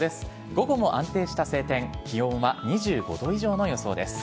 午後も安定した晴天気温は２５度以上の予想です。